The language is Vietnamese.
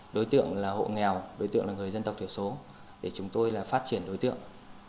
đối tượng là hộ nghèo đối tượng là người dân tộc thiểu số để chúng tôi là phát triển đối tượng